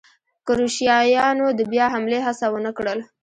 کروشیایانو د بیا حملې هڅه ونه کړل.